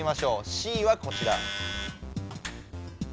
Ｃはこちら。